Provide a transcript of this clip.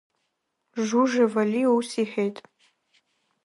Жужуев Али ус иҳәеит…